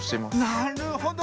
なるほど。